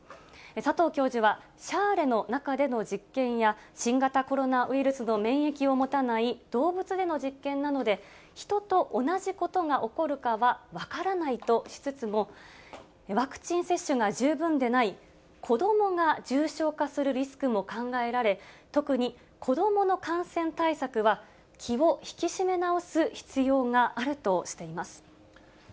佐藤教授は、シャーレの中での実験や、新型コロナウイルスの免疫を持たない動物での実験なので、ヒトと同じことが起こるかは分からないとしつつも、ワクチン接種が十分でない子どもが重症化するリスクも考えられ、特に子どもの感染対策は気を引き締め直す必要があるとしています。